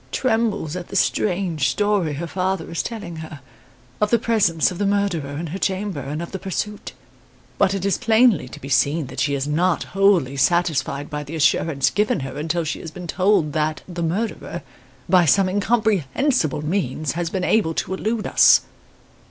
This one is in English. Trembles at the strange story her father is telling her, of the presence of the murderer in her chamber, and of the pursuit. But it is plainly to be seen that she is not wholly satisfied by the assurance given her until she had been told that the murderer, by some incomprehensible means, had been able to elude us.